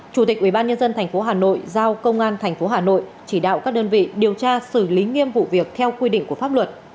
chủ tịch ubnd tp hà nội giao công an tp hà nội chỉ đạo các đơn vị điều tra xử lý nghiêm vụ việc theo quy định của pháp luật